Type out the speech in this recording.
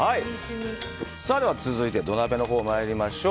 続いて、土鍋のほう参りましょう。